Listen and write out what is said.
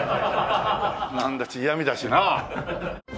なんだし嫌みだしなあ。